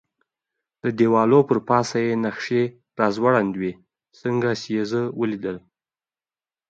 د دېوالونو پر پاسه یې نقشې را ځوړندې وې، څنګه چې یې زه ولیدلم.